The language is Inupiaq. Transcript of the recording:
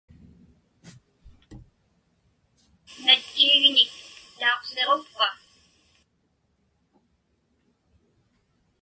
Natchiigñik tausiġukpa?